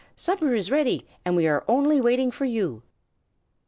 supper is ready, and we are only waiting for you."